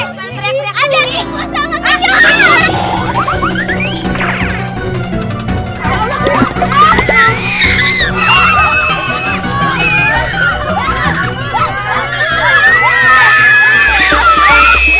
ada tikus sama kecoa